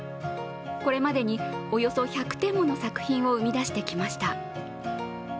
これまでに、およそ１００点もの作品を生み出してきました。